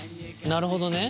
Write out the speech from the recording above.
なるほどね。